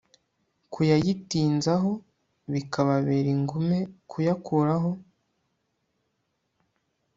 kuyayitinzaho bikababera ingume kuyakuraho